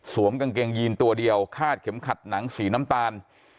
กางเกงยีนตัวเดียวคาดเข็มขัดหนังสีน้ำตาล